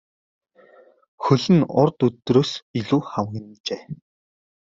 Хөл нь урд өдрөөс илүү хавагнажээ.